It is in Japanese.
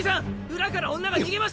裏から女が逃げました！